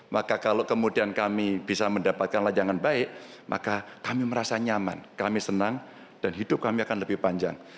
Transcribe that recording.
maka kalau kemudian kami bisa mendapatkan layanan baik maka kami merasa nyaman kami senang dan hidup kami akan lebih panjang